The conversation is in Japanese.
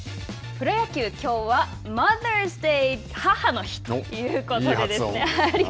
プロ野球、きょうはマザーズデー、母の日ということですね。